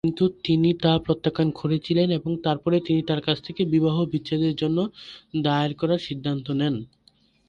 কিন্তু তিনি তা প্রত্যাখ্যান করেছিলেন এবং তারপরে তিনি তাঁর কাছ থেকে বিবাহ বিচ্ছেদের জন্য দায়ের করার সিদ্ধান্ত নেন।